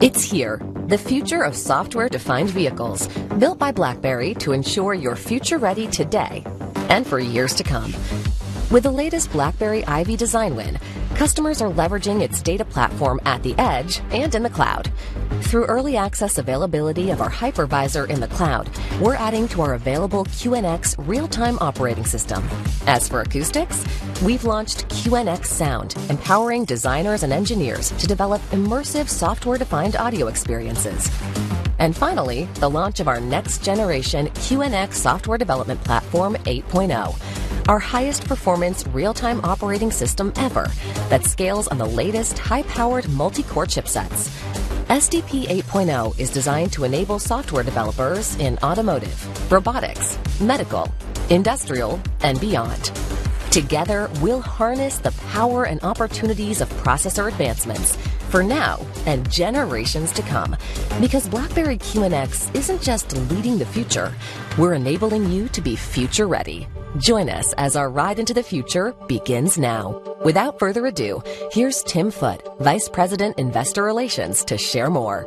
It's here, the future of software-defined vehicles, built by BlackBerry to ensure you're future-ready today and for years to come. With the latest BlackBerry IVY design win, customers are leveraging its data platform at the edge and in the cloud. Through early access availability of our hypervisor in the cloud, we're adding to our available QNX real-time operating system. As for acoustics, we've launched QNX Sound, empowering designers and engineers to develop immersive software-defined audio experiences. And finally, the launch of our next generation QNX Software Development Platform 8.0, our highest performance real-time operating system ever, that scales on the latest high-powered multi-core chipsets. SDP 8.0 is designed to enable software developers in automotive, robotics, medical, industrial, and beyond. Together, we'll harness the power and opportunities of processor advancements for now and generations to come. Because BlackBerry QNX isn't just leading the future, we're enabling you to be future-ready. Join us as our ride into the future begins now. Without further ado, here's Tim Foote, Vice President, Investor Relations, to share more.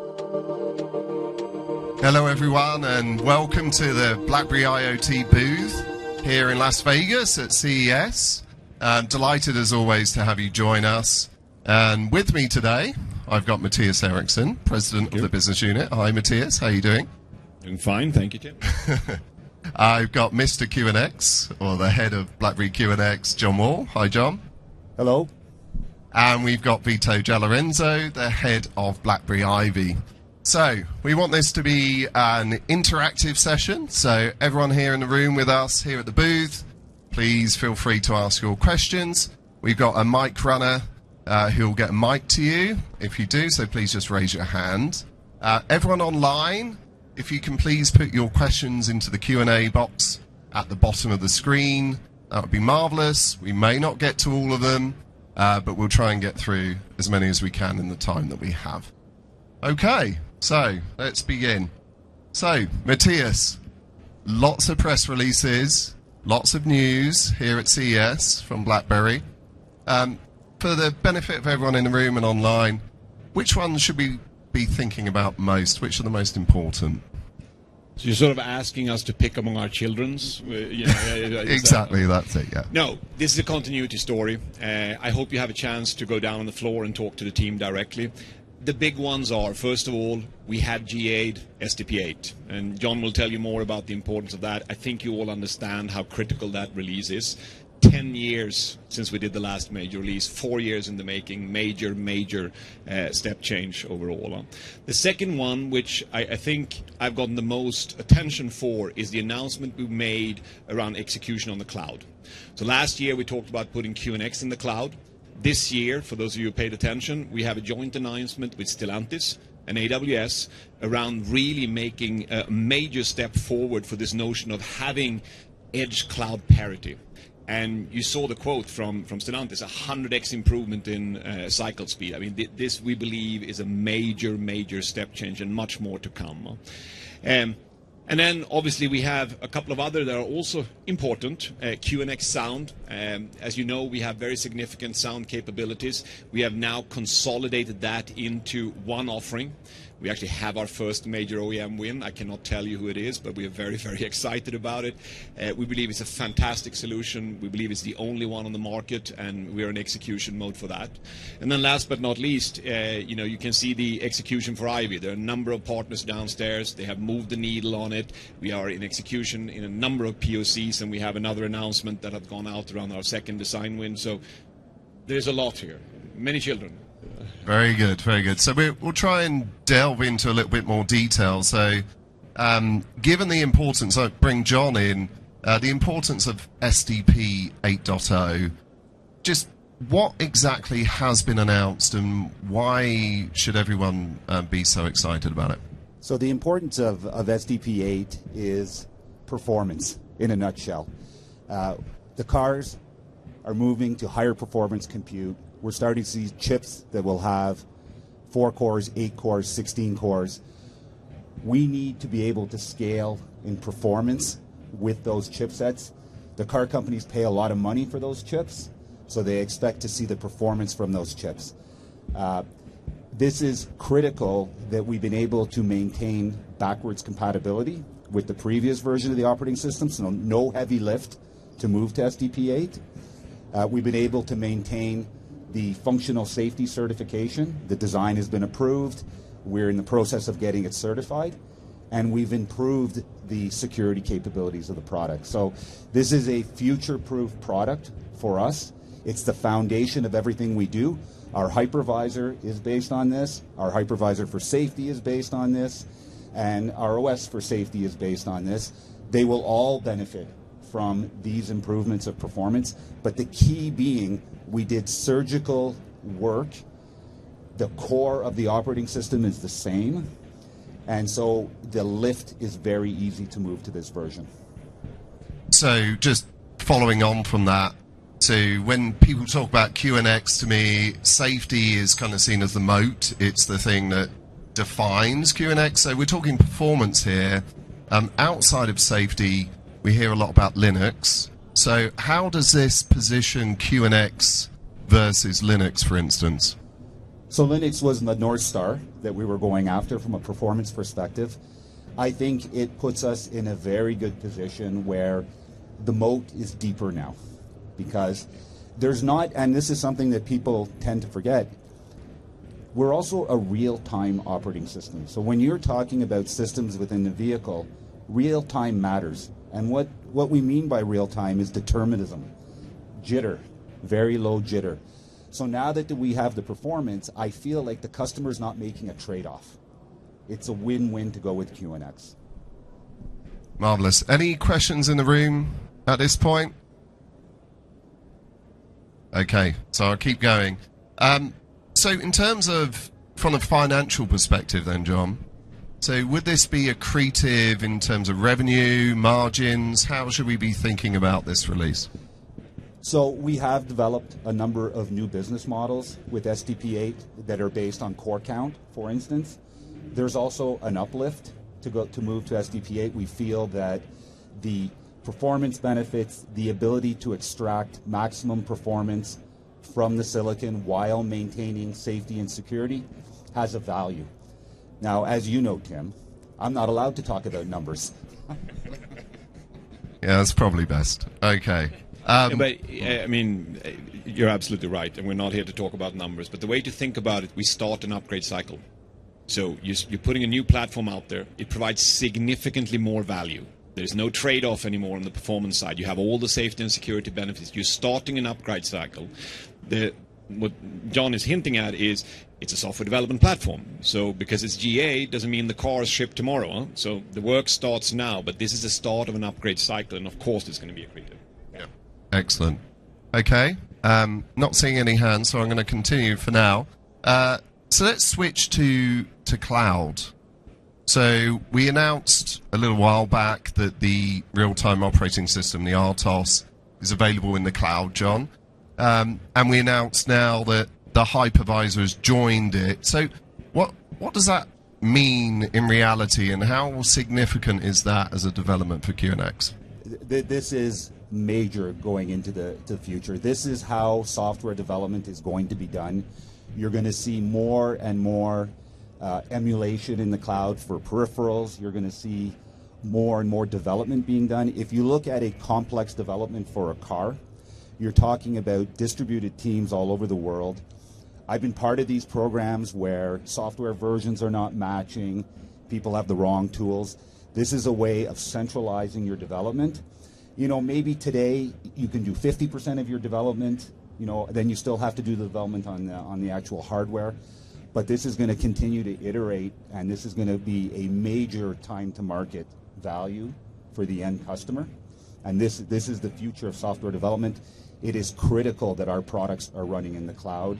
Hello, everyone, and welcome to the BlackBerry IoT booth here in Las Vegas at CES. I'm delighted, as always, to have you join us. With me today, I've got Mattias Eriksson, President- Thank you... of the business unit. Hi, Mattias, how are you doing? Doing fine. Thank you, Tim. I've got Mr. QNX, or the head of BlackBerry QNX, John Wall. Hi, John. Hello. We've got Vito Giallorenzo, the head of BlackBerry IVY. We want this to be an interactive session, so everyone here in the room with us here at the booth, please feel free to ask your questions. We've got a mic runner, who'll get a mic to you if you do, so please just raise your hand. Everyone online, if you can please put your questions into the Q&A box at the bottom of the screen, that would be marvelous. We may not get to all of them, but we'll try and get through as many as we can in the time that we have. Okay, let's begin. Mattias, lots of press releases, lots of news here at CES from BlackBerry. For the benefit of everyone in the room and online, which one should we be thinking about most? Which are the most important? So you're sort of asking us to pick among our children? Yeah, yeah. Exactly. That's it, yeah. No, this is a continuity story. I hope you have a chance to go down on the floor and talk to the team directly. The big ones are, first of all, we have GA'd SDP 8, and John will tell you more about the importance of that. I think you all understand how critical that release is. 10 years since we did the last major release, four years in the making. Major, major, step change overall. The second one, which I, I think I've gotten the most attention for, is the announcement we made around execution on the cloud. So last year, we talked about putting QNX in the cloud. This year, for those of you who paid attention, we have a joint announcement with Stellantis and AWS around really making a major step forward for this notion of having edge cloud parity. And you saw the quote from Stellantis, 100x improvement in cycle speed. I mean, this, we believe, is a major, major step change and much more to come. And then, obviously, we have a couple of other that are also important, QNX Sound. As you know, we have very significant sound capabilities. We have now consolidated that into one offering. We actually have our first major OEM win. I cannot tell you who it is, but we are very, very excited about it. We believe it's a fantastic solution. We believe it's the only one on the market, and we are in execution mode for that. And then last but not least, you know, you can see the execution for IVY. There are a number of partners downstairs. They have moved the needle on it. We are in execution in a number of POCs, and we have another announcement that have gone out around our second design win. So there's a lot here. Many children. Very good. Very good. We'll try and delve into a little bit more detail. So, given the importance, I'll bring John in, the importance of SDP 8.0, just what exactly has been announced, and why should everyone be so excited about it? So the importance of SDP 8.0 is performance, in a nutshell. The cars are moving to higher performance compute. We're starting to see chips that will have four cores, eight cores, 16 cores. We need to be able to scale in performance with those chipsets. The car companies pay a lot of money for those chips, so they expect to see the performance from those chips. This is critical that we've been able to maintain backwards compatibility with the previous version of the operating system, so no heavy lift to move to SDP 8.0. We've been able to maintain the functional safety certification. The design has been approved. We're in the process of getting it certified, and we've improved the security capabilities of the product. So this is a future-proof product for us. It's the foundation of everything we do. Our hypervisor is based on this, our hypervisor for safety is based on this, and our OS for safety is based on this. They will all benefit from these improvements of performance, but the key being, we did surgical work. The core of the operating system is the same, and so the lift is very easy to move to this version. So, just following on from that, when people talk about QNX, to me, safety is kind of seen as the moat. It's the thing that defines QNX. So we're talking performance here. Outside of safety, we hear a lot about Linux. So how does this position QNX versus Linux, for instance? So Linux was the North Star that we were going after from a performance perspective. I think it puts us in a very good position where the moat is deeper now, because there's not, and this is something that people tend to forget, we're also a real-time operating system. So when you're talking about systems within the vehicle, real time matters, and what, what we mean by real time is determinism, jitter, very low jitter. So now that we have the performance, I feel like the customer is not making a trade-off. It's a win-win to go with QNX. Marvelous. Any questions in the room at this point? Okay, so I'll keep going. So in terms of from a financial perspective then, John, so would this be accretive in terms of revenue, margins? How should we be thinking about this release? So we have developed a number of new business models with SDP 8.0 that are based on core count, for instance. There's also an uplift to move to SDP 8.0. We feel that the performance benefits, the ability to extract maximum performance from the silicon while maintaining safety and security, has a value. Now, as you know, Tim, I'm not allowed to talk about numbers. Yeah, that's probably best. Okay, But, I mean, you're absolutely right, and we're not here to talk about numbers, but the way to think about it, we start an upgrade cycle. So you're putting a new platform out there. It provides significantly more value. There's no trade-off anymore on the performance side. You have all the safety and security benefits. You're starting an upgrade cycle. What John is hinting at is, it's a software development platform, so because it's GA, doesn't mean the car is shipped tomorrow. So the work starts now, but this is the start of an upgrade cycle, and of course, it's gonna be accretive. Yeah. Excellent. Okay, not seeing any hands, so I'm gonna continue for now. So let's switch to cloud. So we announced a little while back that the real-time operating system, the RTOS, is available in the cloud, John. And we announced now that the hypervisor has joined it. So what does that mean in reality, and how significant is that as a development for QNX? This is major going into the future. This is how software development is going to be done. You're gonna see more and more emulation in the cloud for peripherals. You're gonna see more and more development being done. If you look at a complex development for a car, you're talking about distributed teams all over the world. I've been part of these programs where software versions are not matching, people have the wrong tools. This is a way of centralizing your development. You know, maybe today you can do 50% of your development, you know, then you still have to do the development on the actual hardware. But this is gonna continue to iterate, and this is gonna be a major time-to-market value for the end customer, and this is the future of software development. It is critical that our products are running in the cloud,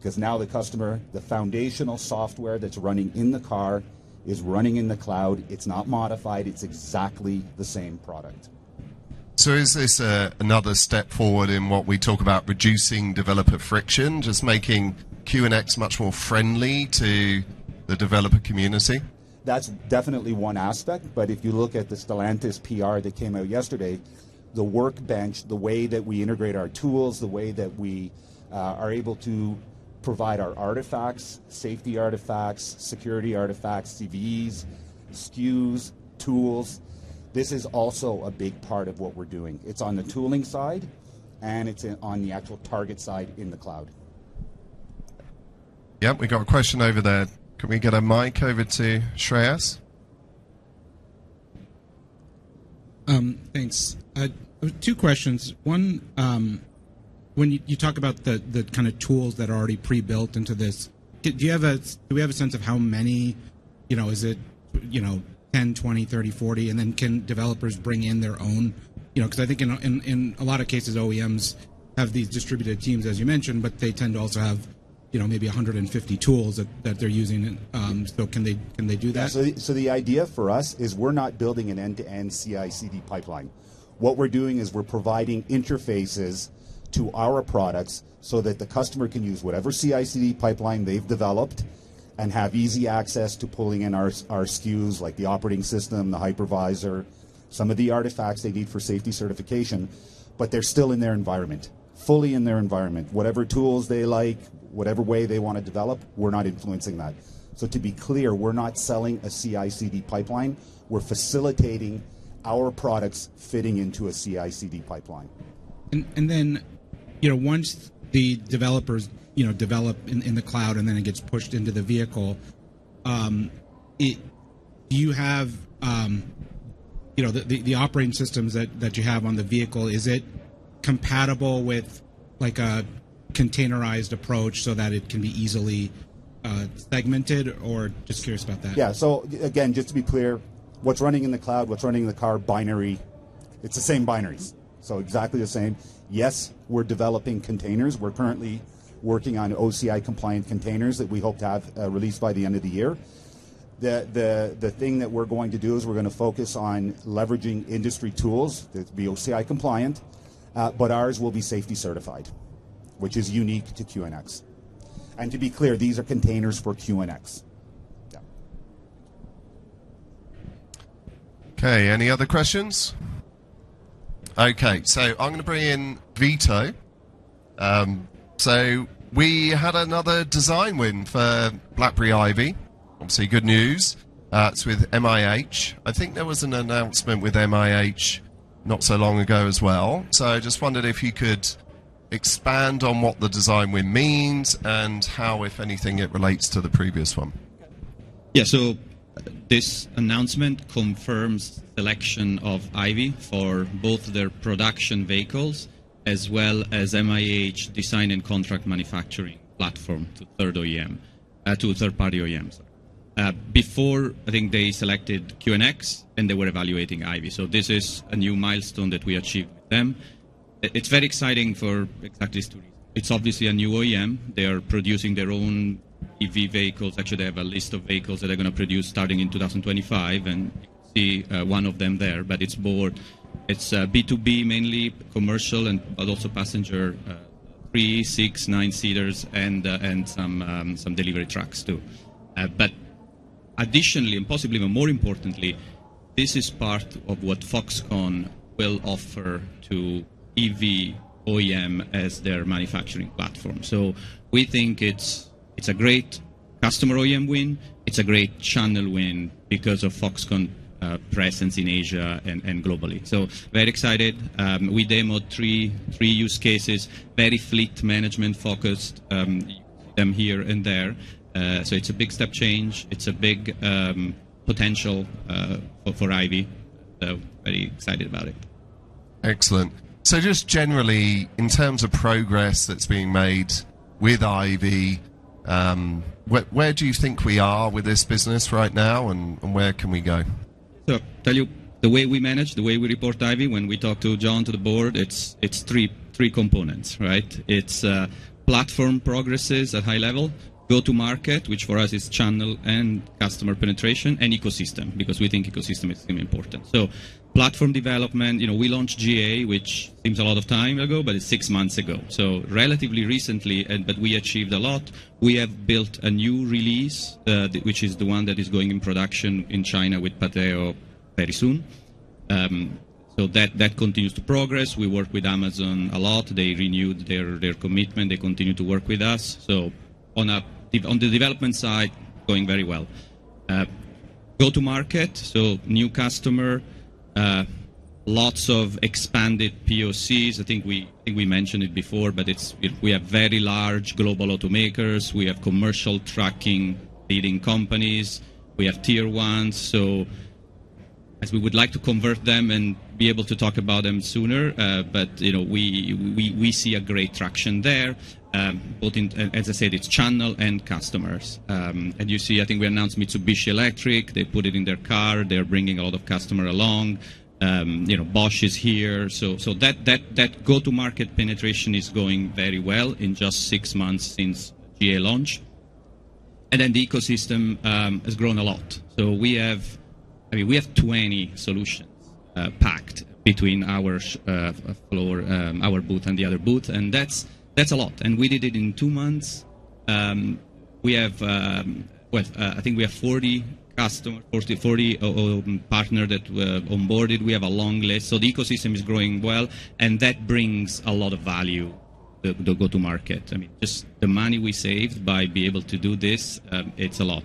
because now the customer, the foundational software that's running in the car is running in the cloud. It's not modified. It's exactly the same product. Is this another step forward in what we talk about reducing developer friction, just making QNX much more friendly to the developer community? That's definitely one aspect, but if you look at the Stellantis PR that came out yesterday, the workbench, the way that we integrate our tools, the way that we are able to provide our artifacts, safety artifacts, security artifacts, CVEs, SKUs, tools, this is also a big part of what we're doing. It's on the tooling side, and it's on the actual target side in the cloud. Yep, we got a question over there. Can we get a mic over to Shreyas? Thanks. Two questions. One, when you talk about the kind of tools that are already pre-built into this, do we have a sense of how many, you know, is it 10, 20, 30, 40, and then can developers bring in their own? You know, 'cause I think in a lot of cases, OEMs have these distributed teams, as you mentioned, but they tend to also have, you know, maybe 150 tools that they're using. So can they do that? Yeah, so the idea for us is we're not building an end-to-end CI/CD pipeline. What we're doing is we're providing interfaces to our products so that the customer can use whatever CI/CD pipeline they've developed and have easy access to pulling in our SKUs, like the operating system, the hypervisor, some of the artifacts they need for safety certification, but they're still in their environment, fully in their environment. Whatever tools they like, whatever way they want to develop, we're not influencing that. So to be clear, we're not selling a CI/CD pipeline, we're facilitating our products fitting into a CI/CD pipeline. you know, once the developers, you know, develop in the cloud, and then it gets pushed into the vehicle, do you have, you know, the operating systems that you have on the vehicle, is it compatible with like a containerized approach so that it can be easily segmented or? Just curious about that. Yeah. So again, just to be clear, what's running in the cloud, what's running in the car binary, it's the same binaries. So exactly the same. Yes, we're developing containers. We're currently working on OCI-compliant containers that we hope to have released by the end of the year. The thing that we're going to do is we're gonna focus on leveraging industry tools that be OCI-compliant, but ours will be safety certified, which is unique to QNX. And to be clear, these are containers for QNX? Yeah. Okay, any other questions? Okay, so I'm gonna bring in Vito. So we had another design win for BlackBerry IVY. Obviously, good news. It's with MIH. I think there was an announcement with MIH not so long ago as well. So just wondered if you could expand on what the design win means and how, if anything, it relates to the previous one. Yeah. So this announcement confirms selection of IVY for both their production vehicles, as well as MIH design and contract manufacturing platform to third OEM, to third-party OEMs. Before, I think they selected QNX, and they were evaluating IVY, so this is a new milestone that we achieved with them. It's very exciting for exactly two reasons. It's obviously a new OEM. They are producing their own EV vehicles. Actually, they have a list of vehicles that they're gonna produce starting in 2025, and you see, one of them there, but it's more. It's B2B, mainly commercial and, but also passenger, 3-, 6-, 9-seaters and some delivery trucks, too. But additionally, and possibly even more importantly, this is part of what Foxconn will offer to EV OEM as their manufacturing platform. So we think it's a great customer OEM win, it's a great channel win because of Foxconn presence in Asia and globally. So very excited. We demoed three use cases, very fleet management-focused, them here and there. So it's a big step change. It's a big potential for IVY, so very excited about it. Excellent. So just generally, in terms of progress that's being made with IVY, where do you think we are with this business right now, and where can we go? So to tell you, the way we manage, the way we report IVY, when we talk to John, to the board, it's three components, right? It's platform progress at high level, go-to-market, which for us is channel and customer penetration, and ecosystem, because we think ecosystem is going to be important. So platform development, you know, we launched GA, which seems a lot of time ago, but it's six months ago, so relatively recently, but we achieved a lot. We have built a new release, which is the one that is going in production in China with Pateo very soon. So that continues to progress. We work with Amazon a lot. They renewed their commitment. They continue to work with us. So on the development side, going very well. Go-to-market, so new customer, lots of expanded POCs. I think we mentioned it before, but it's—we have very large global automakers, we have commercial trucking, leading companies, we have Tier 1. So as we would like to convert them and be able to talk about them sooner, but, you know, we see a great traction there, both in... As I said, it's channel and customers. And you see, I think we announced Mitsubishi Electric. They put it in their car. They're bringing a lot of customer along. You know, Bosch is here. So that go-to-market penetration is going very well in just six months since GA launch. And then the ecosystem has grown a lot. So we have... I mean, we have 20 solutions packed between our floor, our booth and the other booth, and that's, that's a lot, and we did it in two months. We have, well, I think we have 40 customers, 40, 40 OEM partner that we have onboarded. We have a long list. So the ecosystem is growing well, and that brings a lot of value, the go-to-market. I mean, just the money we save by being able to do this, it's a lot.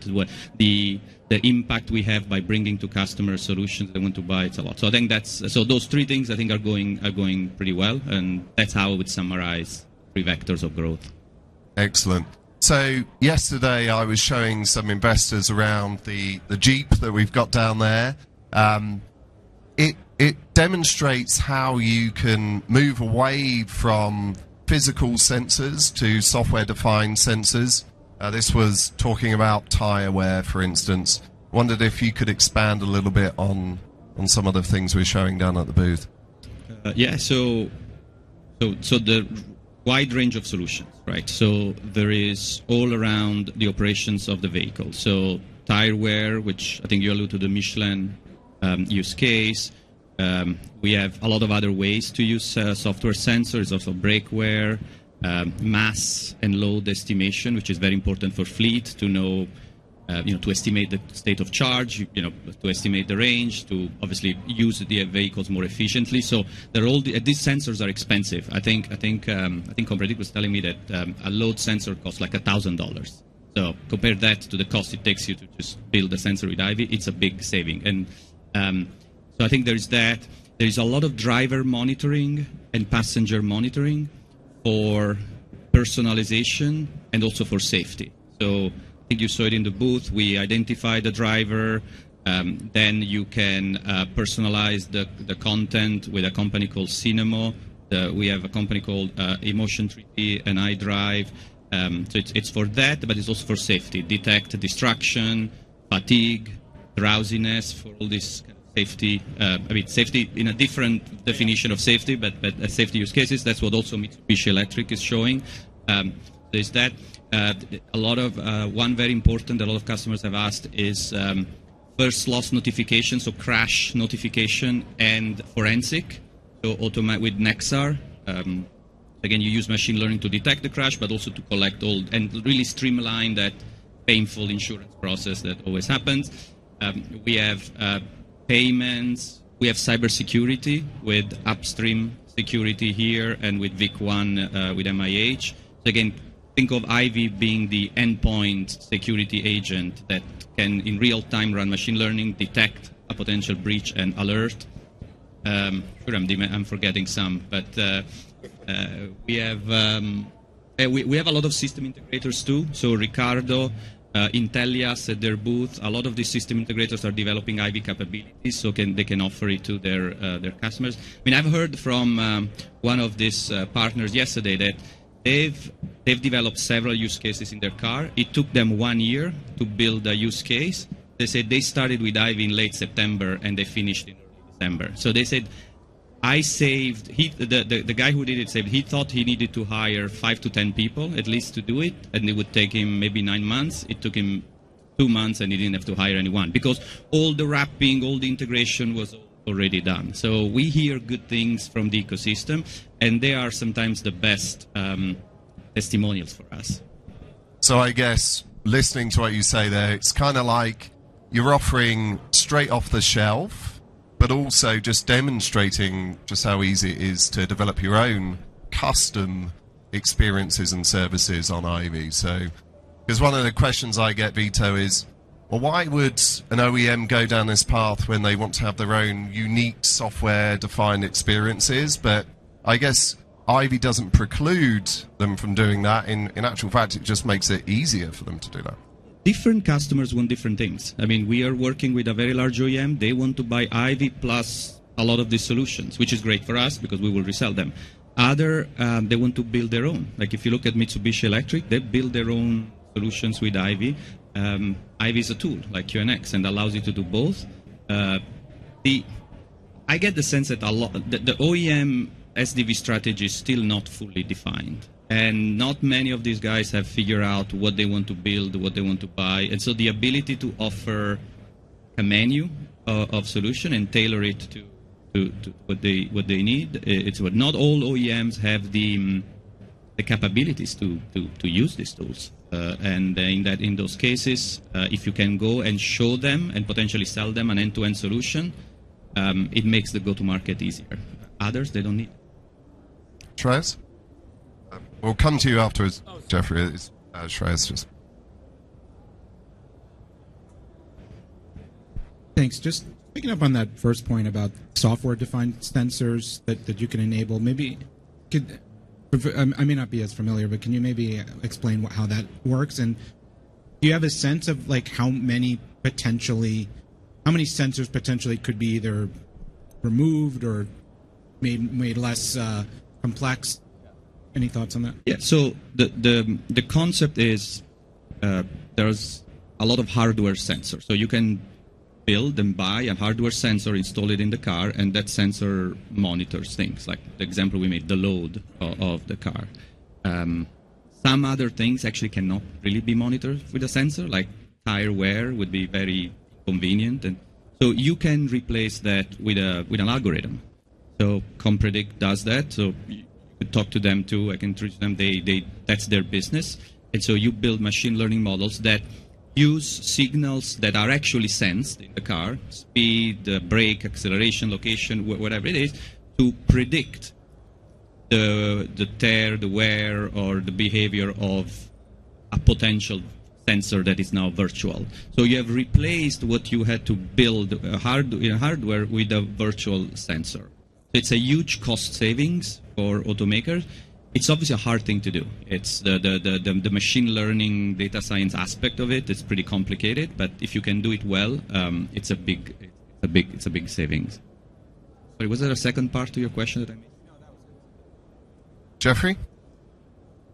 The impact we have by bringing to customer solutions they want to buy, it's a lot. So I think that's so those three things I think are going, are going pretty well, and that's how I would summarize three vectors of growth. Excellent. So yesterday, I was showing some investors around the Jeep that we've got down there. It demonstrates how you can move away from physical sensors to software-defined sensors. This was talking about tire wear, for instance. Wondered if you could expand a little bit on some of the things we're showing down at the booth. Yeah, so the wide range of solutions, right? So there is all around the operations of the vehicle. So tire wear, which I think you alluded to the Michelin use case. We have a lot of other ways to use software sensors, also brake wear, mass and load estimation, which is very important for fleet to know, you know, to estimate the state of charge, you know, to estimate the range, to obviously use the vehicles more efficiently. So they're all these sensors are expensive. I think Fredrik was telling me that a load sensor costs like $1,000. So compare that to the cost it takes you to just build a sensor with IVY, it's a big saving. And so I think there's that. There's a lot of driver monitoring and passenger monitoring for personalization and also for safety. So I think you saw it in the booth. We identify the driver, then you can personalize the, the content with a company called Cinemo. We have a company called emotion3D and IDrive. So it's for that, but it's also for safety. Detect distraction, fatigue, drowsiness, for all this safety, I mean, safety in a different definition of safety, but a safety use cases. That's what also Mitsubishi Electric is showing. There's that. A lot of one very important a lot of customers have asked is first loss notification, so crash notification and forensic, so automate with Nexar. Again, you use machine learning to detect the crash, but also to collect all and really streamline that painful insurance process that always happens. We have payments, we have cybersecurity with Upstream Security here and with VicOne, with MIH. Again, think of IVY being the endpoint security agent that can, in real time, run machine learning, detect a potential breach, and alert. Sure, I'm forgetting some, but we have a lot of system integrators, too. So Ricardo, Intellias at their booth. A lot of these system integrators are developing IVY capabilities, so they can offer it to their customers. I mean, I've heard from one of these partners yesterday that they've developed several use cases in their car. It took them one year to build a use case. They said they started with IVY in late September, and they finished in early December. So they said, "I saved"—he, the guy who did it said he thought he needed to hire five to 10 people at least to do it, and it would take him maybe nine months. It took him two months, and he didn't have to hire anyone, because all the wrapping, all the integration was already done. So we hear good things from the ecosystem, and they are sometimes the best testimonials for us. So I guess listening to what you say there, it's kinda like you're offering straight off the shelf, but also just demonstrating just how easy it is to develop your own custom experiences and services on IVY. So, 'cause one of the questions I get, Vito, is: Well, why would an OEM go down this path when they want to have their own unique software-defined experiences? But I guess IVY doesn't preclude them from doing that. In actual fact, it just makes it easier for them to do that. Different customers want different things. I mean, we are working with a very large OEM. They want to buy IVY plus a lot of these solutions, which is great for us because we will resell them. Other, they want to build their own. Like, if you look at Mitsubishi Electric, they build their own solutions with IVY. IVY is a tool like QNX, and allows you to do both. I get the sense that a lot. The OEM SDV strategy is still not fully defined, and not many of these guys have figured out what they want to build, what they want to buy. And so the ability to offer a menu of solution and tailor it to what they need, it's what not all OEMs have the capabilities to use these tools. And in that, in those cases, if you can go and show them and potentially sell them an end-to-end solution, it makes the go-to-market easier. Others, they don't need. Shreyas? We'll come to you afterwards, Jeffrey, as, Shreyas just- Thanks. Just picking up on that first point about software-defined sensors that you can enable, maybe could, I may not be as familiar, but can you maybe explain what, how that works? And do you have a sense of, like, how many potentially, how many sensors potentially could be either removed or made less complex? Any thoughts on that? Yeah. So the concept is, there's a lot of hardware sensors. So you can build and buy a hardware sensor, install it in the car, and that sensor monitors things, like the example we made, the load of the car. Some other things actually cannot really be monitored with a sensor, like tire wear would be very convenient. And so you can replace that with an algorithm. So COMPREDICT does that, so you talk to them, too. I can introduce them. That's their business. And so you build machine learning models that use signals that are actually sensed in the car, speed, brake, acceleration, location, whatever it is, to predict the tire wear, or the behavior of a potential sensor that is now virtual. So you have replaced what you had to build, a hardware with a virtual sensor. It's a huge cost savings for automakers. It's obviously a hard thing to do. It's the machine learning, data science aspect of it is pretty complicated, but if you can do it well, it's a big savings. Sorry, was there a second part to your question that I missed? No, that was it. Jeffrey?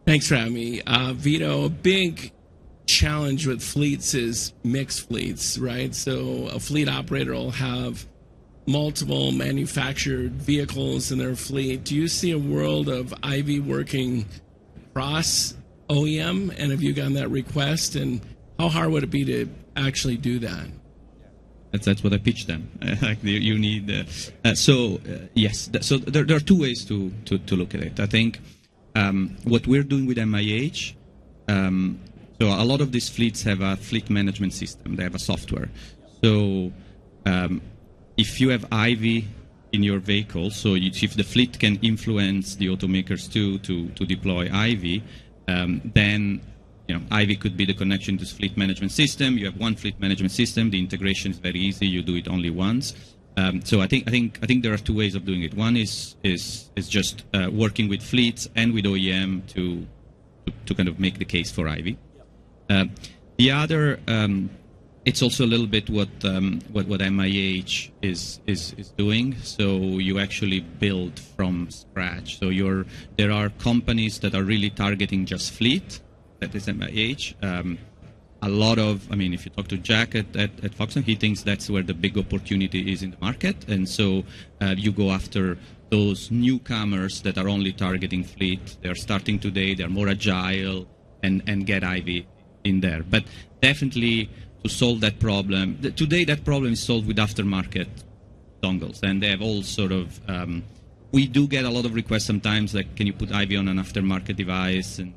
Thanks for having me. Vito, a big challenge with fleets is mixed fleets, right? So a fleet operator will have multiple manufactured vehicles in their fleet. Do you see a world of IVY working across OEM, and have you gotten that request? And how hard would it be to actually do that? That's, that's what I pitch them. Like, you need. So yes. So there are two ways to look at it. I think what we're doing with MIH. So a lot of these fleets have a fleet management system, they have a software. So, if you have IVY in your vehicle, so if the fleet can influence the automakers to deploy IVY, then, you know, IVY could be the connection to fleet management system. You have one fleet management system, the integration is very easy, you do it only once. So I think there are two ways of doing it. One is just working with fleets and with OEM to kind of make the case for IVY. Yeah. The other, it's also a little bit what MIH is doing, so you actually build from scratch. So you're—there are companies that are really targeting just fleet, that is MIH. I mean, if you talk to Jack at Foxconn, he thinks that's where the big opportunity is in the market. And so, you go after those newcomers that are only targeting fleet. They're starting today, they're more agile, and get IVY in there. But definitely, to solve that problem... Today, that problem is solved with aftermarket-... dongles, and they have all sort of, we do get a lot of requests sometimes, like, "Can you put IVY on an aftermarket device?" And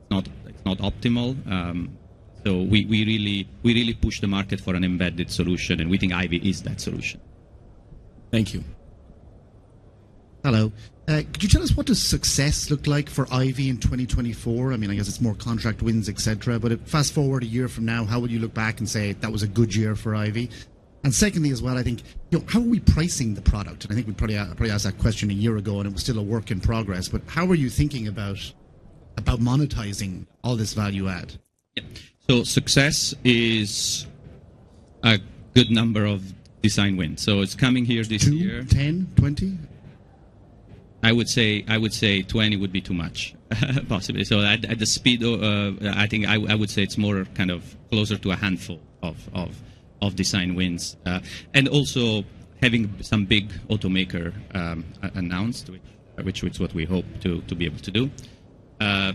it's not, it's not optimal. So we really push the market for an embedded solution, and we think IVY is that solution. Thank you. Hello. Could you tell us what does success look like for IVY in 2024? I mean, I guess it's more contract wins, et cetera, but fast-forward a year from now, how would you look back and say, "That was a good year for IVY?" And secondly, as well, I think, you know, how are we pricing the product? And I think we probably asked that question a year ago, and it was still a work in progress, but how are you thinking about monetizing all this value add? Yeah. So success is a good number of design wins. So it's coming here this year. 2, 10, 20? I would say, I would say 20 would be too much, possibly. So at the speed of, I would say it's more kind of closer to a handful of design wins. And also having some big automaker announced, which is what we hope to be able to do. In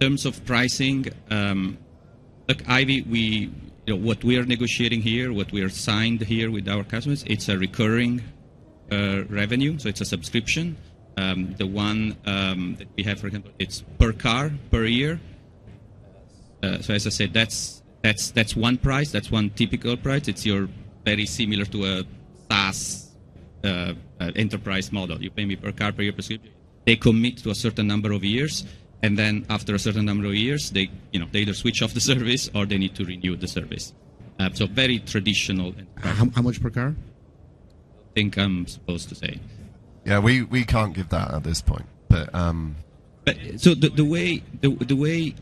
terms of pricing, look, IVY, you know, what we are negotiating here, what we are signed here with our customers, it's a recurring revenue, so it's a subscription. The one that we have, for example, it's per car, per year. So as I said, that's one price, that's one typical price. It's very similar to a SaaS enterprise model. You pay me per car, per year subscription. They commit to a certain number of years, and then after a certain number of years, they, you know, they either switch off the service or they need to renew the service. So very traditional and- How much per car? I don't think I'm supposed to say. Yeah, we can't give that at this point. But- But so the way... Sorry.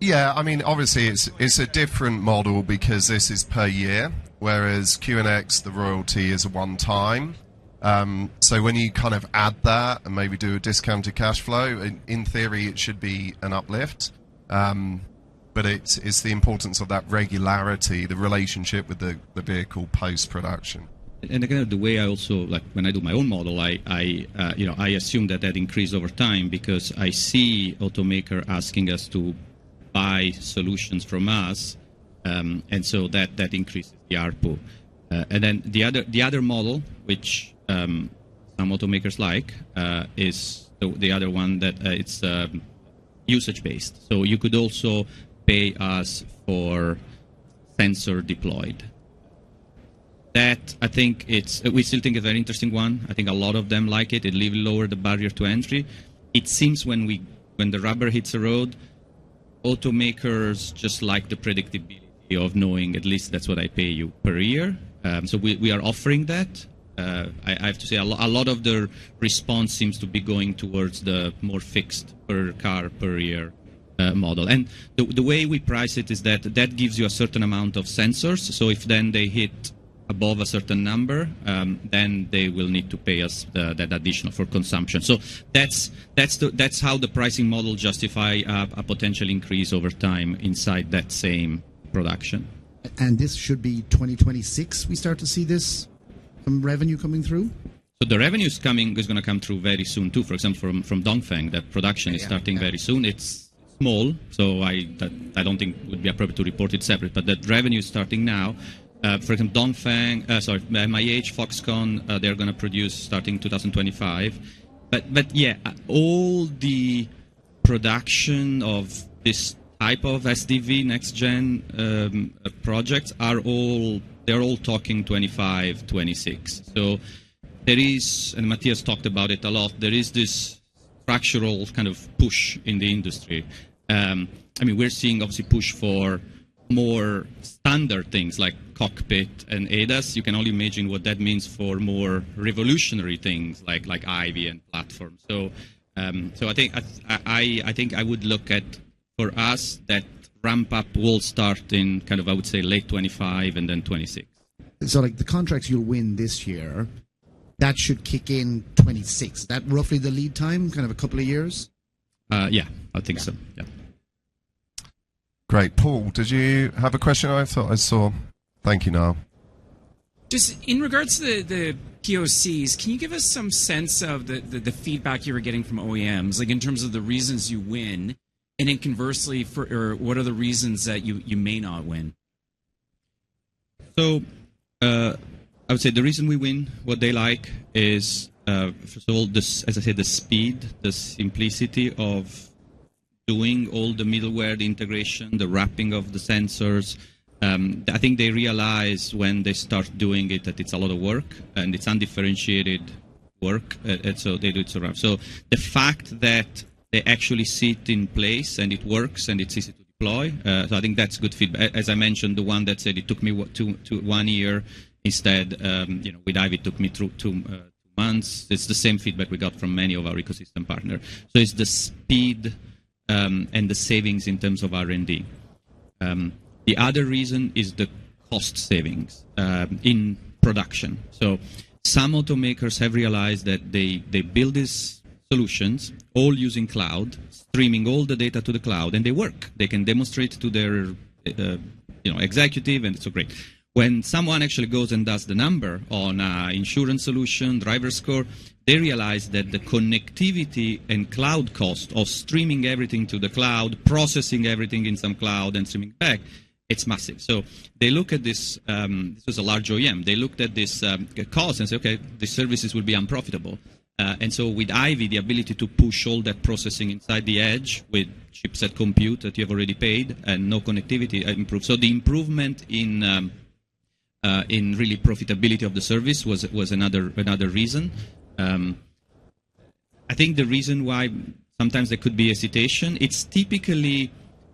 Yeah, I mean, obviously, it's a different model because this is per year, whereas QNX, the royalty is a one-time. So when you kind of add that and maybe do a discounted cash flow, in theory, it should be an uplift. But it's the importance of that regularity, the relationship with the vehicle post-production. Again, the way I also like, when I do my own model, you know, I assume that that increases over time because I see automakers asking us to buy solutions from us, and so that increases the ARPU. And then the other model, which some automakers like, is the other one that it's usage-based. So you could also pay us for sensors deployed. That, I think it's we still think a very interesting one. I think a lot of them like it. It leaves lower the barrier to entry. It seems when the rubber hits the road, automakers just like the predictability of knowing at least that's what I pay you per year. So we are offering that. I have to say, a lot of the response seems to be going towards the more fixed per car, per year model. The way we price it is that that gives you a certain amount of sensors, so if then they hit above a certain number, then they will need to pay us that additional for consumption. That's the, that's how the pricing model justify a potential increase over time inside that same production. This should be 2026, we start to see this, revenue coming through? The revenue's coming, is gonna come through very soon, too. For example, from Dongfeng, that production is starting very soon. Yeah. It's small, so that I don't think it would be appropriate to report it separate, but that revenue is starting now. For example, Dongfeng, MIH, Foxconn, they're gonna produce starting 2025. But yeah, all the production of this type of SDV next gen projects are all talking 2025, 2026. So there is, and Mattias talked about it a lot, there is this structural kind of push in the industry. I mean, we're seeing obviously push for more standard things like cockpit and ADAS. You can only imagine what that means for more revolutionary things like IVY and platform. So I think I would look at for us that ramp up will start in kind of late 2025 and then 2026. Like, the contracts you'll win this year, that should kick in 2026. Is that roughly the lead time, kind of a couple of years? Yeah, I think so. Yeah. Yeah. Great. Paul, did you have a question? I thought I saw... Thank you, Niall. Just in regards to the POCs, can you give us some sense of the feedback you were getting from OEMs, like in terms of the reasons you win, and then conversely, or what are the reasons that you may not win? So, I would say the reason we win, what they like is, first of all, as I said, the speed, the simplicity of doing all the middleware, the integration, the wrapping of the sensors. I think they realize when they start doing it, that it's a lot of work, and it's undifferentiated work, and so they do it around. So the fact that they actually sit in place, and it works, and it's easy to deploy, so I think that's good feedback. As I mentioned, the one that said it took me what? 2 to 1 year instead, you know, with IVY, it took me 2 months. It's the same feedback we got from many of our ecosystem partner. So it's the speed, and the savings in terms of R&D. The other reason is the cost savings in production. So some automakers have realized that they build these solutions all using cloud, streaming all the data to the cloud, and they work. They can demonstrate to their customers—you know, executive—and it's so great. When someone actually goes and does the number on insurance solution, driver score, they realize that the connectivity and cloud cost of streaming everything to the cloud, processing everything in some cloud and streaming back, it's massive. So they look at this. This is a large OEM. They looked at this cost and say, "Okay, these services will be unprofitable." And so with IVY, the ability to push all that processing inside the edge, with chipset compute that you have already paid and no connectivity, improve. So the improvement in really profitability of the service was another reason. I think the reason why sometimes there could be hesitation, it's typically: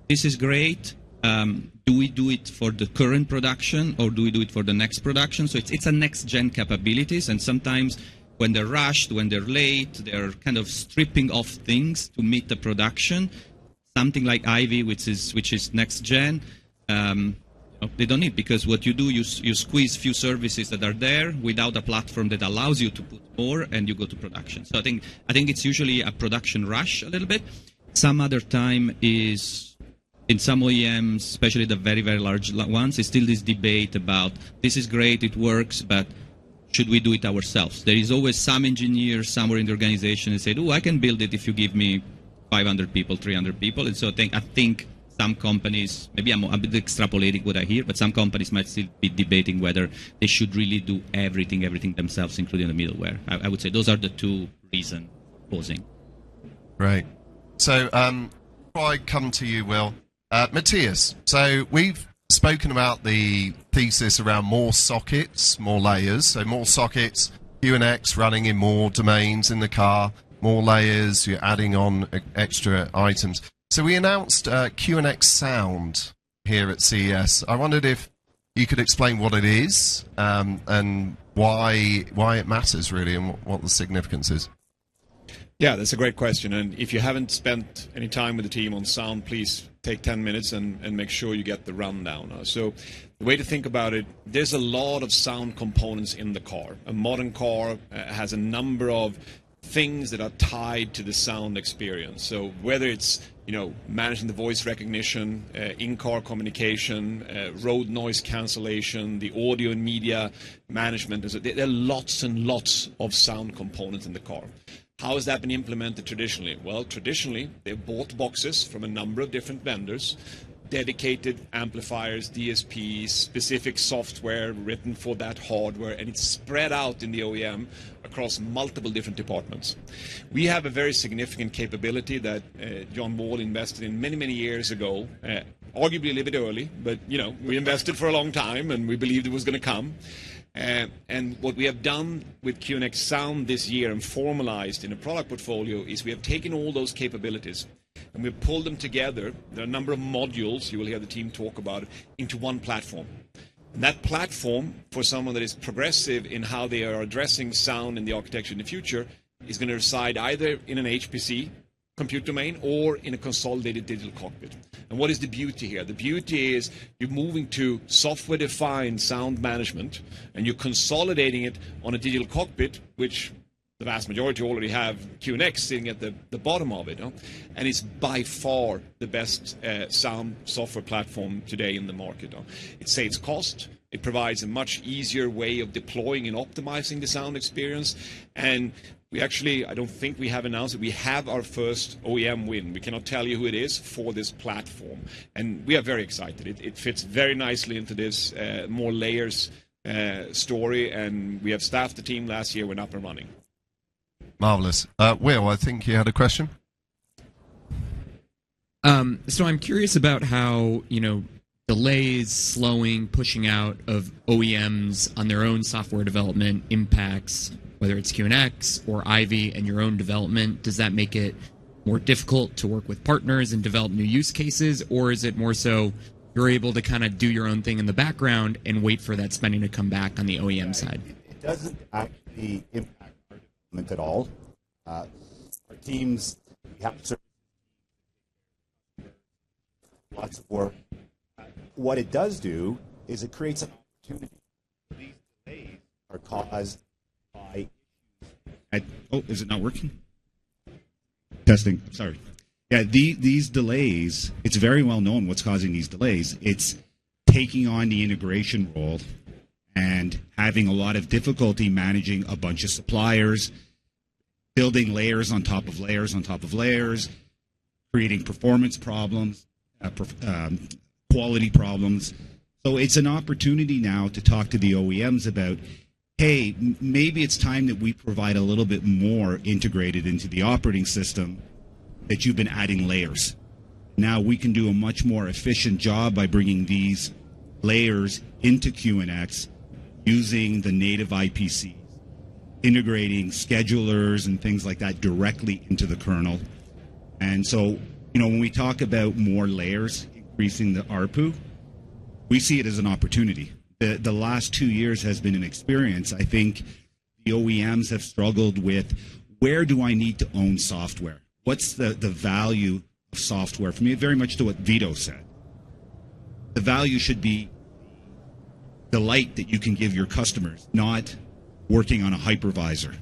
This is great, do we do it for the current production, or do we do it for the next production? So it's a next-gen capabilities, and sometimes when they're rushed, when they're late, they're kind of stripping off things to meet the production. Something like IVY, which is next gen, they don't need, because what you do, you squeeze few services that are there without a platform that allows you to put more, and you go to production. So I think it's usually a production rush a little bit. Some other time is, in some OEMs, especially the very, very large ones, there's still this debate about, "This is great, it works, but should we do it ourselves?" There is always some engineer somewhere in the organization who said, "Oh, I can build it if you give me 500 people, 300 people." And so I think, I think some companies, maybe I'm a bit extrapolating what I hear, but some companies might still be debating whether they should really do everything, everything themselves, including the middleware. I, I would say those are the two reasons posing. Great. So, before I come to you, Will, Mattias, so we've spoken about the thesis around more sockets, more layers. So more sockets, QNX running in more domains in the car, more layers, you're adding on extra items. So we announced QNX Sound here at CES. I wondered if you could explain what it is, and why, why it matters really, and what the significance is. Yeah, that's a great question, and if you haven't spent any time with the team on sound, please take 10 minutes and make sure you get the rundown. So the way to think about it, there's a lot of sound components in the car. A modern car has a number of things that are tied to the sound experience. So whether it's, you know, managing the voice recognition, in-car communication, road noise cancellation, the audio and media management, there are lots and lots of sound components in the car. How has that been implemented traditionally? Well, traditionally, they've bought boxes from a number of different vendors, dedicated amplifiers, DSP, specific software written for that hardware, and it's spread out in the OEM across multiple different departments. We have a very significant capability that, John Wall invested in many, many years ago, arguably a little bit early, but, you know, we invested for a long time, and we believed it was gonna come. And what we have done with QNX Sound this year and formalized in a product portfolio is we have taken all those capabilities, and we've pulled them together, there are a number of modules, you will hear the team talk about it, into one platform. And that platform, for someone that is progressive in how they are addressing sound in the architecture in the future, is gonna reside either in an HPC compute domain or in a consolidated Digital Cockpit. And what is the beauty here? The beauty is you're moving to software-defined sound management, and you're consolidating it on a Digital Cockpit, which the vast majority already have QNX sitting at the bottom of it, huh? It's by far the best sound software platform today in the market. It saves cost, it provides a much easier way of deploying and optimizing the sound experience, and we actually. I don't think we have announced it. We have our first OEM win. We cannot tell you who it is for this platform, and we are very excited. It fits very nicely into this more layers story, and we have staffed the team last year with upper money. Marvelous. Will, I think you had a question? So I'm curious about how, you know, delays, slowing, pushing out of OEMs on their own software development impacts, whether it's QNX or IVY and your own development. Does that make it more difficult to work with partners and develop new use cases, or is it more so you're able to kind of do your own thing in the background and wait for that spending to come back on the OEM side? It doesn't actually impact at all. Our teams have lots of work. What it does do is it creates an opportunity. These delays are caused by... these delays, it's very well known what's causing these delays. It's taking on the integration role and having a lot of difficulty managing a bunch of suppliers, building layers on top of layers, on top of layers, creating performance problems, quality problems. So it's an opportunity now to talk to the OEMs about, "Hey, maybe it's time that we provide a little bit more integrated into the operating system, that you've been adding layers." Now, we can do a much more efficient job by bringing these layers into QNX using the native IPC, integrating schedulers and things like that directly into the kernel. And so, you know, when we talk about more layers increasing the ARPU, we see it as an opportunity. The last two years has been an experience. I think the OEMs have struggled with: Where do I need to own software? What's the value of software? For me, very much to what Vito said, the value should be the light that you can give your customers, not working on a hypervisor.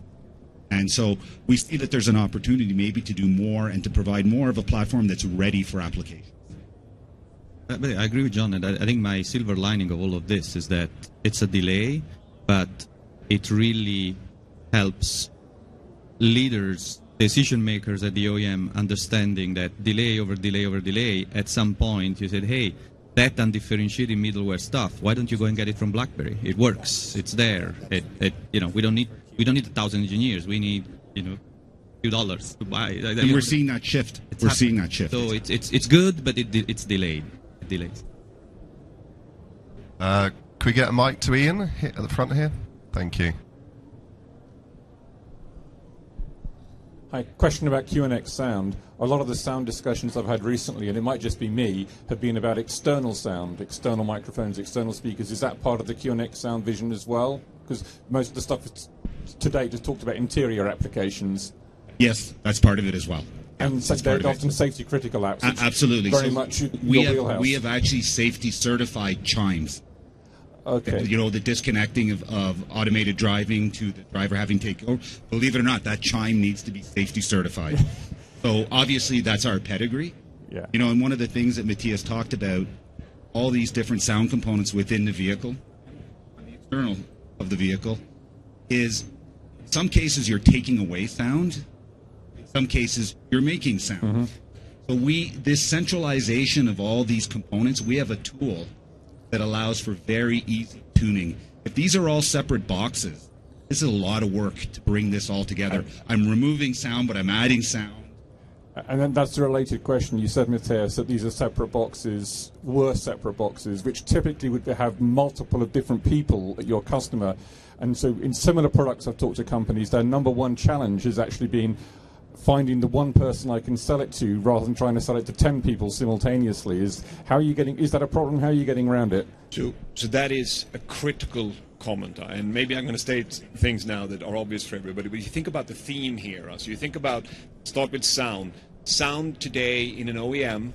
And so we see that there's an opportunity maybe to do more and to provide more of a platform that's ready for applications. But I agree with John, and I think my silver lining of all of this is that it's a delay, but it really helps leaders, decision-makers at the OEM, understanding that delay over delay over delay, at some point, you said, "Hey, that undifferentiated middleware stuff, why don't you go and get it from BlackBerry? It works. It's there. It you know, we don't need, we don't need 1,000 engineers. We need, you know, few dollars to buy- We're seeing that shift. It's happening. We're seeing that shift. So it's good, but it's delayed. Delayed. Could we get a mic to Ian here at the front here? Thank you. Hi. Question about QNX Sound. A lot of the sound discussions I've had recently, and it might just be me, have been about external sound, external microphones, external speakers. Is that part of the QNX Sound vision as well? 'Cause most of the stuff is, to date, has talked about interior applications. Yes, that's part of it as well. They're often safety-critical apps- Ab- absolutely. Very much your wheelhouse. We have actually safety-certified chimes. Okay. You know, the disconnecting of automated driving to the driver having to take over. Believe it or not, that chime needs to be safety certified. So obviously, that's our pedigree. Yeah. You know, and one of the things that Mattias talked about, all these different sound components within the vehicle and the external of the vehicle, is some cases you're taking away sound, in some cases you're making sound. Mm-hmm. This centralization of all these components, we have a tool that allows for very easy tuning. If these are all separate boxes, this is a lot of work to bring this all together. I- I'm removing sound, but I'm adding sound. Then that's a related question. You said, Mattias, that these are separate boxes, were separate boxes, which typically would have multiple of different people at your customer. And so in similar products I've talked to companies, their number one challenge has actually been finding the one person I can sell it to, rather than trying to sell it to ten people simultaneously. Is that a problem? How are you getting around it? So that is a critical comment, and maybe I'm gonna state things now that are obvious for everybody. When you think about the theme here, as you think about, start with sound. Sound today in an OEM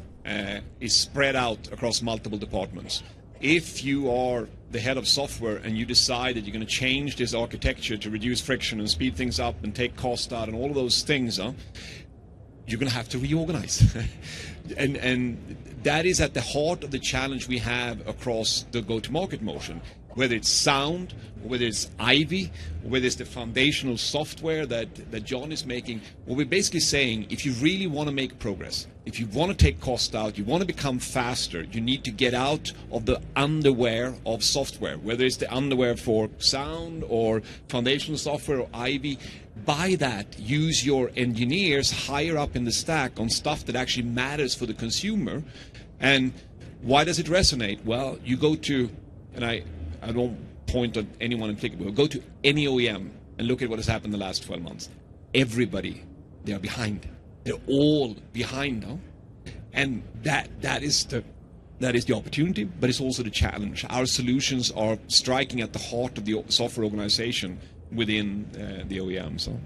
is spread out across multiple departments. If you are the head of software and you decide that you're gonna change this architecture to reduce friction and speed things up and take costs out and all of those things, you're gonna have to reorganize. And that is at the heart of the challenge we have across the go-to-market motion, whether it's sound, whether it's IVY, whether it's the foundational software that John is making. What we're basically saying, if you really wanna make progress, if you wanna take costs out, you wanna become faster, you need to get out of the underwear of software, whether it's the underwear for sound or foundational software or IVY. Buy that. Use your engineers higher up in the stack on stuff that actually matters for the consumer. And why does it resonate? Well, you go to... And I, I don't point at anyone in particular, but go to any OEM and look at what has happened in the last 12 months. Everybody, they are behind. They're all behind now, and that is the opportunity, but it's also the challenge. Our solutions are striking at the heart of the software organization within the OEM, so.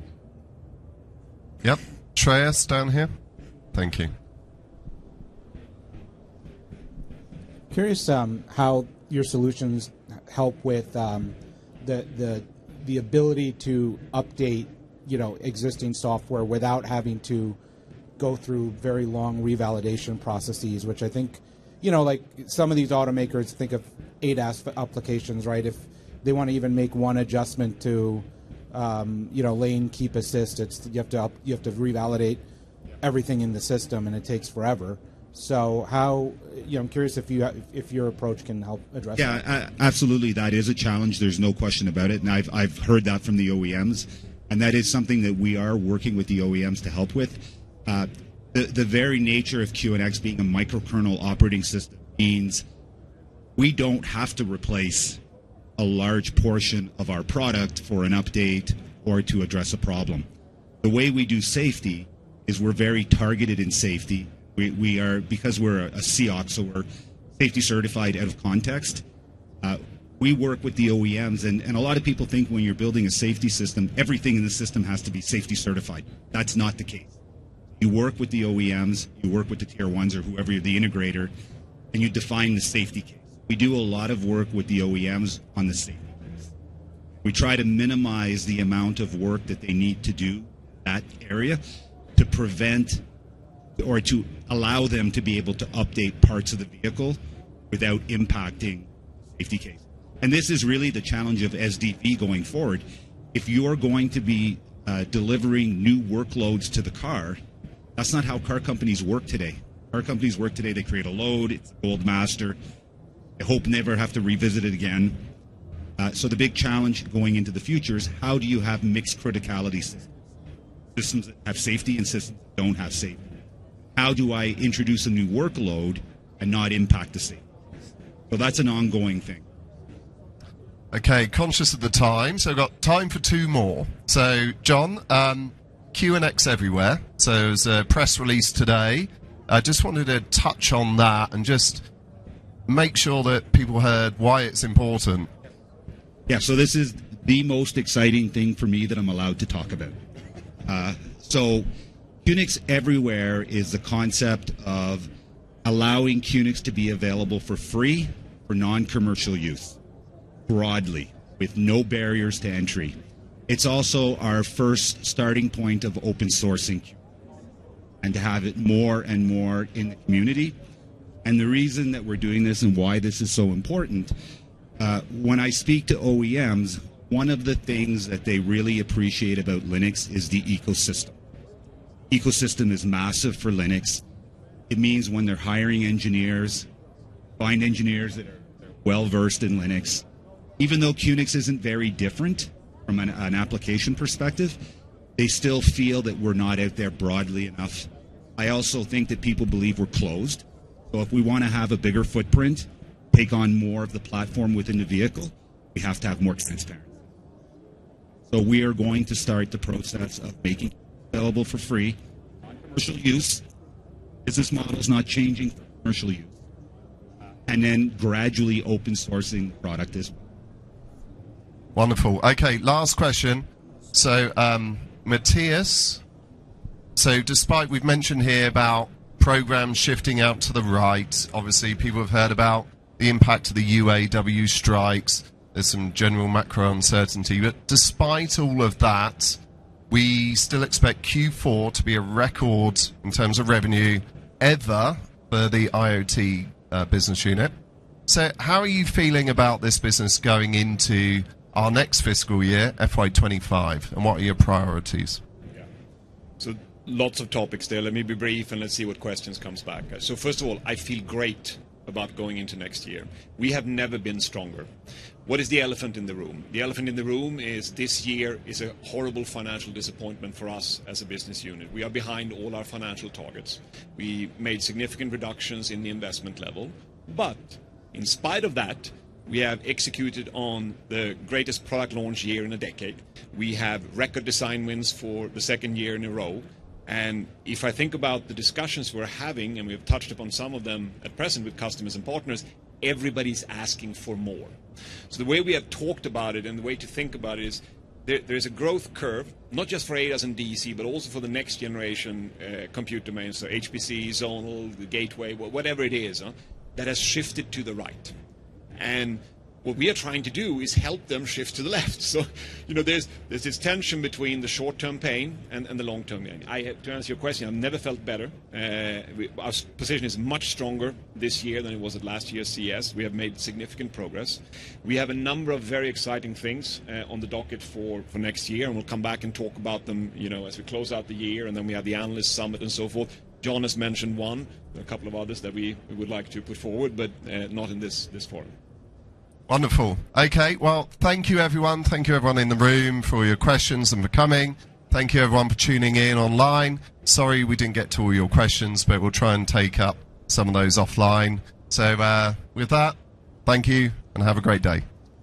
Yep. Trey, down here. Thank you. Curious, how your solutions help with the ability to update, you know, existing software without having to go through very long revalidation processes, which I think, you know, like some of these automakers think of ADAS applications, right? If they want to even make one adjustment to, you know, lane keep assist, it's you have to revalidate everything in the system, and it takes forever. So how... You know, I'm curious if you, if your approach can help address that? Yeah, absolutely, that is a challenge, there's no question about it. And I've heard that from the OEMs, and that is something that we are working with the OEMs to help with. The very nature of QNX being a microkernel operating system means we don't have to replace a large portion of our product for an update or to address a problem. The way we do safety is we're very targeted in safety. We are, because we're a SEooC, so we're safety certified out of context, we work with the OEMs. And a lot of people think when you're building a safety system, everything in the system has to be safety certified. That's not the case. You work with the OEMs, you work with the Tier 1 or whoever you're the integrator, and you define the safety case. We do a lot of work with the OEMs on the safety case. We try to minimize the amount of work that they need to do in that area, to prevent or to allow them to be able to update parts of the vehicle without impacting safety case. This is really the challenge of SDP going forward. If you're going to be delivering new workloads to the car, that's not how car companies work today. Car companies work today, they create a load, it's gold master, they hope never have to revisit it again. The big challenge going into the future is how do you have mixed criticality systems, systems that have safety and systems that don't have safety? How do I introduce a new workload and not impact the safety? That's an ongoing thing. Okay, conscious of the time, so we've got time for two more. So John, QNX Everywhere, so it was a press release today. I just wanted to touch on that and just make sure that people heard why it's important.... Yeah, so this is the most exciting thing for me that I'm allowed to talk about. So QNX Everywhere is the concept of allowing QNX to be available for free for non-commercial use, broadly, with no barriers to entry. It's also our first starting point of open sourcing, and to have it more and more in the community. And the reason that we're doing this and why this is so important, when I speak to OEMs, one of the things that they really appreciate about Linux is the ecosystem. Ecosystem is massive for Linux. It means when they're hiring engineers, find engineers that are well-versed in Linux. Even though QNX isn't very different from an application perspective, they still feel that we're not out there broadly enough. I also think that people believe we're closed, so if we wanna have a bigger footprint, take on more of the platform within the vehicle, we have to have more transparency. So we are going to start the process of making it available for free on commercial use. Business model is not changing for commercial use, and then gradually open sourcing the product as well. Wonderful. Okay, last question. So, Mattias, so despite we've mentioned here about programs shifting out to the right, obviously, people have heard about the impact of the UAW strikes. There's some general macro uncertainty, but despite all of that, we still expect Q4 to be a record in terms of revenue ever for the IoT business unit. So how are you feeling about this business going into our next fiscal year, FY 25, and what are your priorities? Yeah. So lots of topics there. Let me be brief, and let's see what questions comes back. So first of all, I feel great about going into next year. We have never been stronger. What is the elephant in the room? The elephant in the room is this year is a horrible financial disappointment for us as a business unit. We are behind all our financial targets. We made significant reductions in the investment level, but in spite of that, we have executed on the greatest product launch year in a decade. We have record design wins for the second year in a row, and if I think about the discussions we're having, and we've touched upon some of them at present with customers and partners, everybody's asking for more. So the way we have talked about it and the way to think about it is there, there's a growth curve, not just for ADAS and DC, but also for the next generation, compute domains, so HPC, zonal, the gateway, whatever it is, that has shifted to the right. And what we are trying to do is help them shift to the left. So, you know, there's this tension between the short-term pain and the long-term gain. To answer your question, I've never felt better. Our position is much stronger this year than it was at last year's CES. We have made significant progress. We have a number of very exciting things on the docket for next year, and we'll come back and talk about them, you know, as we close out the year, and then we have Analyst Summit and so forth. John has mentioned one, a couple of others that we would like to put forward, but not in this forum. Wonderful. Okay, well, thank you everyone. Thank you everyone in the room for your questions and for coming. Thank you everyone for tuning in online. Sorry, we didn't get to all your questions, but we'll try and take up some of those offline. So, with that, thank you, and have a great day.